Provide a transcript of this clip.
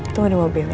tunggu di mobil ya